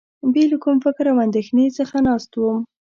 بې له کوم فکر او اندېښنې څخه ناست وم.